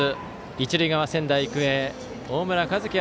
一塁側、仙台育英大村和輝